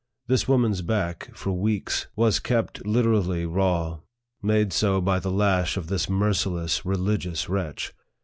This woman's back, for weeks, was kept literally raw, made so by the lash of this merciless, religious wretch.